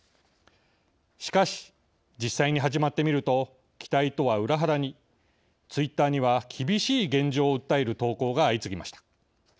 しかし実際に始まってみると期待とは裏腹にツイッターには厳しい現状を訴える投稿が相次ぎました。